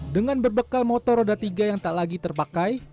dengan berbekal motor roda tiga yang tak lagi terpakai